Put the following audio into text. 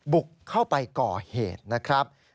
บุกเข้าไปก่อเหตุนะครับ